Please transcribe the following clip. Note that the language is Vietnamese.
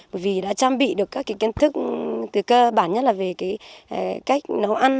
bởi vì đã trang bị được các kiến thức từ cơ bản nhất là về cái cách nấu ăn